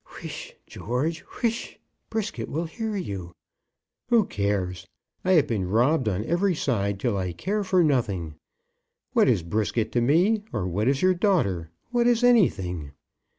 "Whish, George, whish; Brisket will hear you." "Who cares? I have been robbed on every side till I care for nothing! What is Brisket to me, or what is your daughter? What is anything?"